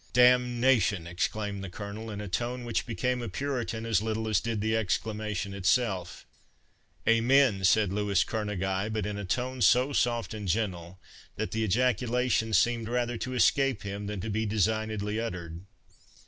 "Damnation" exclaimed the Colonel, in a tone which became a puritan as little as did the exclamation itself. "Amen!" said Louis Kerneguy, but in a tone so soft and gentle, that the ejaculation seemed rather to escape him than to be designedly uttered.